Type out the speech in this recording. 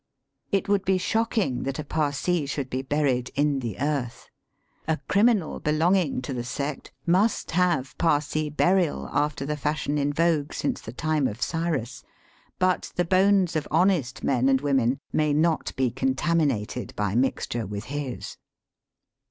It would be shocking that a Parsee should be buried in the earth. A criminal belonging to the sect must have Parsee burial after the fashion in vogue since the time of Cyrus; but the bones of honest men and women may not be contami^ nated by mixture with his.